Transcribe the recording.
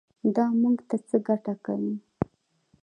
دا موږ ته څه ګټه کوي.